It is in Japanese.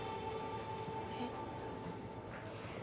えっ？